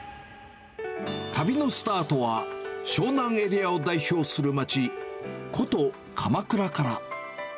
旅のスタートは、湘南エリアを代表する街、古都、鎌倉から。